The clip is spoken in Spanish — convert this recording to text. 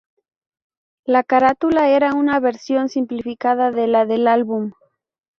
La carátula era una versión simplificada de la del álbum.